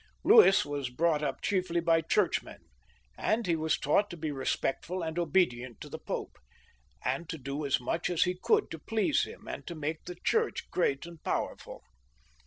Louis was brought up chiefly by Churchmen, and hfe was taught to be respectful and obedient to the Pope, and to do as much as he could to please him and to make the Church great and powerful.